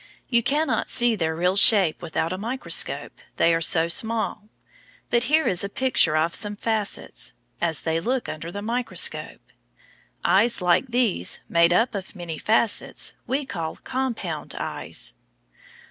You cannot see their real shape without a microscope, they are so small. But here is a picture of some facets as they look under the microscope. Eyes like these, made up of many facets, we call compound eyes.